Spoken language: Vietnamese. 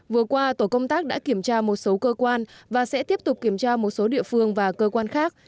vừa qua tổ công tác đã kiểm tra một số cơ quan và sẽ tiếp tục kiểm tra một số địa phương và cơ quan khác